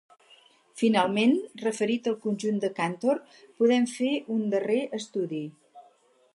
Finalment, referit al conjunt de Cantor, podem fer un darrer estudi.